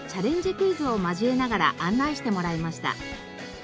クイズを交えながら案内してもらいました。